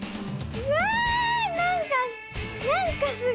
わあなんかなんかすごい。